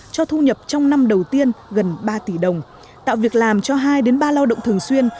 cho thu nhập trong năm đầu tiên gần ba tỷ đồng tạo việc làm cho hai ba lao động thường xuyên